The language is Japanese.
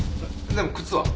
でも靴は？